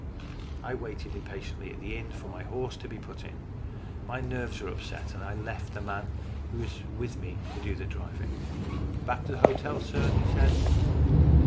I waited impatiently at the inn for my horse to be put in. My nerves were upset, and I left the man who was with me to do the driving. " Back to the hotel, sir ?" he said.